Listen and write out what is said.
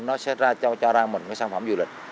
nó sẽ cho ra mình cái sản phẩm du lịch